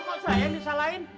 kok saya yang disalahin